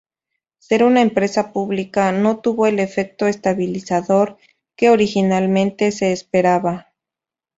Ser una empresa pública no tuvo el efecto estabilizador que originalmente se esperaba.